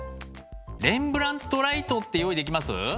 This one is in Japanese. レンブラントライトって用意できます？